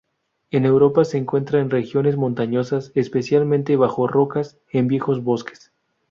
En Europa se encuentra en regiones montañosas, especialmente bajo rocas en viejos bosques.